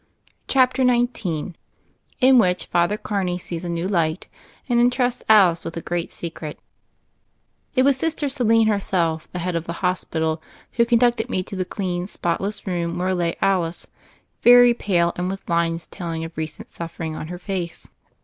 '' CHAPTER XIX IN WHICH FATHER CARNEY SEES A NEW LIGHT, AND EhTTRUSTS ALICE WITH A GREAT SECRET IT WAS Sister Celestine herself, the head of the hospital, who conducted me to the dean, spotless room where lay Alice, very pale and with lines telling of recent suffering on her face.